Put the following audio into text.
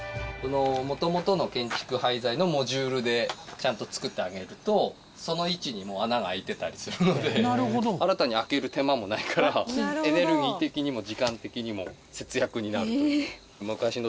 元々の建築廃材のモジュールでちゃんと作ってあげるとその位置にもう穴が開いてたりするので新たに開ける手間もないからエネルギー的にも時間的にも節約になるという。